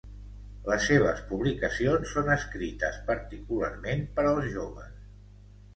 Les seves publicacions són escrites particularment per als joves.